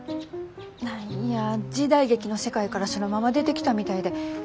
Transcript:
何や時代劇の世界からそのまま出てきたみたいで。